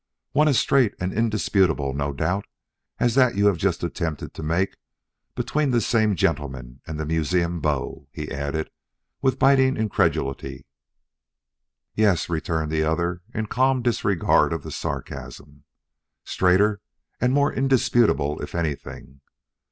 One as straight and indisputable, no doubt, as that you have just attempted to make between this same gentleman and the museum bow," he added with biting incredulity. "Yes," returned the other in calm disregard of the sarcasm, "straighter and more indisputable, if anything.